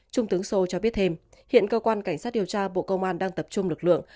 trung tướng sô cho biết thêm hiện cơ quan cảnh sát điều tra bộ công an đang tập trung lực lượng